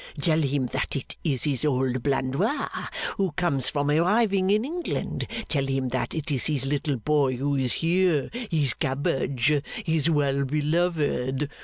Tell him that it is his old Blandois, who comes from arriving in England; tell him that it is his little boy who is here, his cabbage, his well beloved!